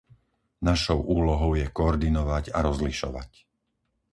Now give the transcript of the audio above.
Našou úlohou je koordinovať a rozlišovať.